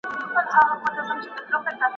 د شعائر الله سپکاوی کفر دی